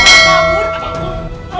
dimana sih dia